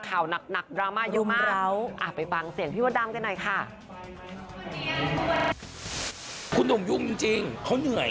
ข่าวหนักดราม่าเยอะมากไปฟังเสียงพี่มดดำกันหน่อยค่ะคุณหนุ่มยุ่มจริงเขาเหนื่อย